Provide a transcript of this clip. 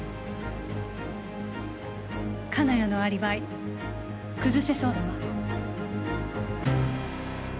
金谷のアリバイ崩せそうだわ。